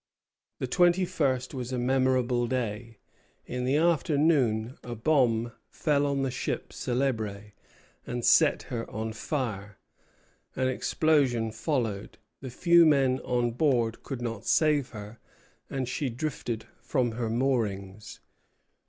The twenty first was a memorable day. In the afternoon a bomb fell on the ship "Célèbre" and set her on fire. An explosion followed. The few men on board could not save her, and she drifted from her moorings.